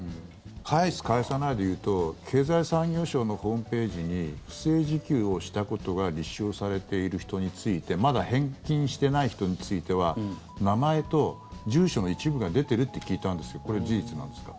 返す返さないで言うと経済産業省のホームページに不正受給をしたことが立証されている人についてまだ返金していない人については名前と住所の一部が出てるって聞いたんですけどこれ、事実なんですか？